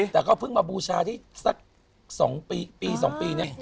แต่เขาเพิ่งมาบูชาสัก๒ปี๒ปีเนี่ย